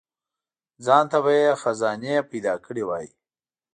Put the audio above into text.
ځانته به یې خزانې پیدا کړي وای.